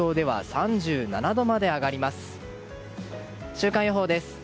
週間予報です。